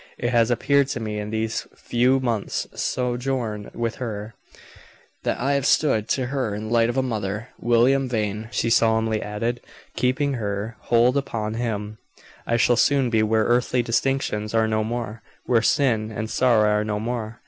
It has appeared to me in these few months' sojourn with her, that I have stood to her in light of a mother. William Vane," she solemnly added, keeping her hold upon him, "I shall soon be where earthly distinctions are no more; where sin and sorrow are no more.